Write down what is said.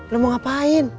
lu mau ngapain